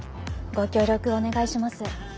ご協力お願いします。